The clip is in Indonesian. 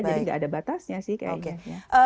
jadi nggak ada batasnya sih kayaknya